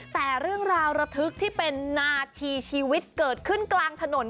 แต่เรื่องราวระทึกที่เป็นนาทีชีวิตเกิดขึ้นกลางถนน